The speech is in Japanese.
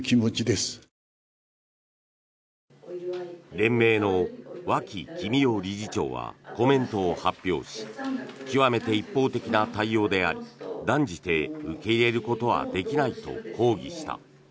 連盟の脇紀美夫理事長はコメントを発表し極めて一方的な対応であり断じて受け入れることはできないと抗議した。